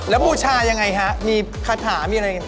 แล้วบูชายังไงฮะมีคาถามีอะไร